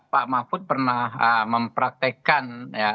pak mahfud pernah mempraktekkan